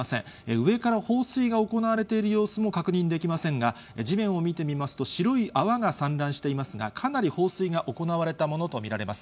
上から放水が行われている様子も確認できませんが、地面を見てみますと、白い泡が散乱していますが、かなり放水が行われたものと見られます。